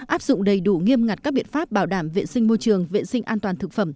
áp dụng đầy đủ nghiêm ngặt các biện pháp bảo đảm vệ sinh môi trường vệ sinh an toàn thực phẩm